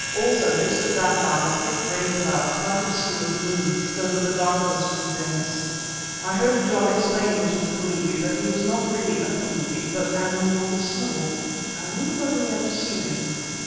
Also just at that time a thick rain cloud quite obscured the moon, so that the darkness grew dense. I heard John explaining to the Kalubi that he was not really a Kalubi, but an immortal soul (I wonder whether he understood him).